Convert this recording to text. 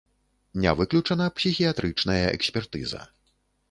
Не выключана псіхіятрычная экспертыза.